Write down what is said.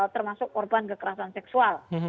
termasuk korban kekerasan seksual